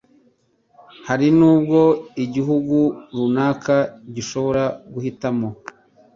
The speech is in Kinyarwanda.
hari n'ubwo igihugu runaka gishobora guhitamo